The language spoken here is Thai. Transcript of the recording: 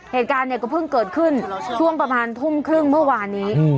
เหตุการณ์เนี่ยก็เพิ่งเกิดขึ้นช่วงประมาณทุ่มครึ่งเมื่อวานนี้